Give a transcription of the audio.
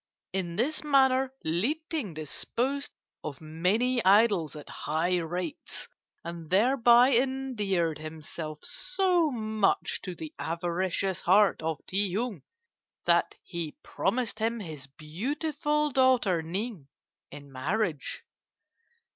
"In this manner Li Ting disposed of many idols at high rates, and thereby endeared himself so much to the avaricious heart of Ti Hung that he promised him his beautiful daughter Ning in marriage.